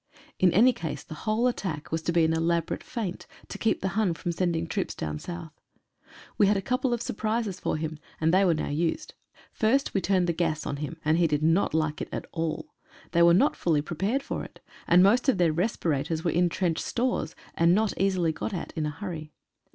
In any case the whole attack was to be an elaborate feint to keep the Hun from sending troops down South. We had a couple of surprises for him, and they were now used. First we turned the gas on him, and he did not like it at all. They were not fully prepared for it, and most of their respirators were in trench stores, and not easily got at in a hurry.